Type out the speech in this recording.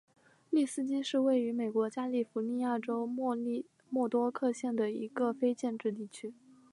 利斯基是位于美国加利福尼亚州莫多克县的一个非建制地区。